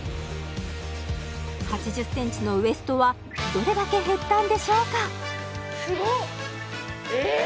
８０センチのウエストはどれだけ減ったんでしょうか？